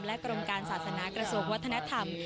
และกรมการศาสนากระทรวงวัฒนธรรม